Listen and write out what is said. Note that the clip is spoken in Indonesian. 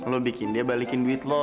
lo bikin dia balikin duit lo